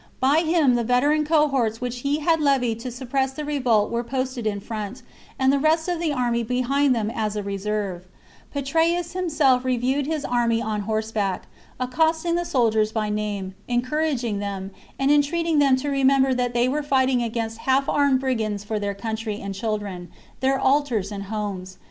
By him ^ the veteran cohorts which he had levied to suppress the revolt were posted in front, and the rest of the army behind them as a reserve, Petreius him self reviewed his army on horseback, accosting the soldiers by name, encouraging them, and entreating them to remember that they were fighting against half armed brigands for their country and children, their altars and homes.